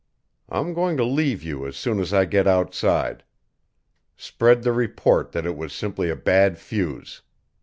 I'm going to leave you as soon as I get outside. Spread the report that it was simply a bad fuse.